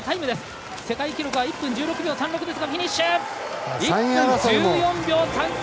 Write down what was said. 世界記録は１分１６秒３６ですが１分１４秒３９！